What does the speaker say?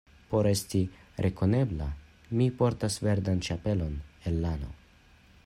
Por esti rekonebla, mi portas verdan ĉapelon el lano.